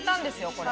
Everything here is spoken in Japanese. これ。